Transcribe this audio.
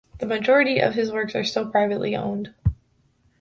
The majority of his works are still privately owned.